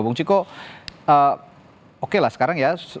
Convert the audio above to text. bung ciko oke lah sekarang ya